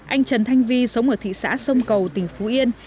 anh trần thanh vi sống ở thị xã sông cầu tỉnh phú yên